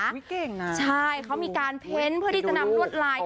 อุ๊ยเก่งน่ะโอ้โหดูดูดูโอ้ละวะใช่เขามีการเพ้นท์เพื่อที่จะนำรวดลาย